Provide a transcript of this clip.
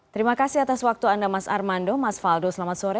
terima kasih atas waktu anda mas armando mas faldo selamat sore